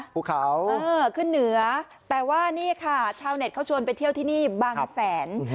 ภูเขาขึ้นเหนือแต่ว่านี่ค่ะชาวเน็ตเขาชวนไปเที่ยวที่นี่บางแสน